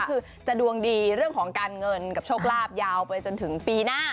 คือจะดวงดีเรื่องของการเงินกับโชคลาภยาวไปจนถึงปีหน้า